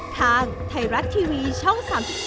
ทางไทยรัฐทีวีช่อง๓๒